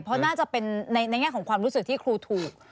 เพราะน่าจะเป็นในแง่ของความรู้สึกที่ครูถูก